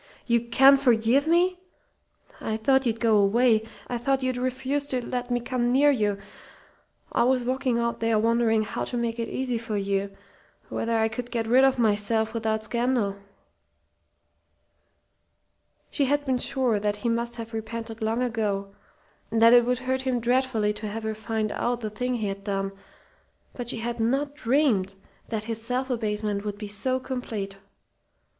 "You can forgive me? I thought you'd go away. I thought you'd refuse to let me come near you. I was walking out there wondering how to make it easy for you whether I could get rid of myself without scandal." She had been sure that he must have repented long ago, and that it would hurt him dreadfully to have her find out the thing he had done, but she had not dreamed that his self abasement would be so complete.